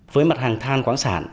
với mặt hàng thàn quảng sản